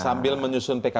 sambil menyusun pkpu